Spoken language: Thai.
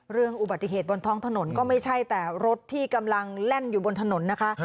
เรื่องอุบัติเหตุบนท้องถนนก็ไม่ใช่แต่รถที่กำลังแล่นอยู่บนถนนนะคะ